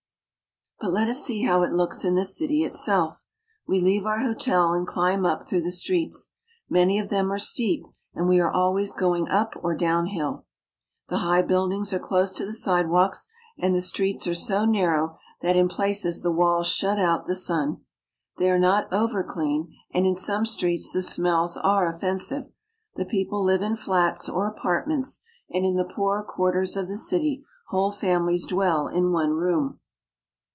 But let us see how it looks in the city itself. We leave our hotel and climb up through the streets. Many of 41 8 ITALY. them are steep, and we are always going up or down hill. The high buildings are close to the sidewalks, and the streets are so narrow that in places the walls shut out the sun. They are not over clean, and in some streets the smells are offensive. The people live in flats or apartments, and in the poorer quarters of the city whole families dwell in one room.